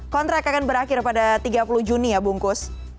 kontrak akan berakhir pada tiga puluh juni ya bungkus